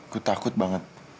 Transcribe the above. gue takut banget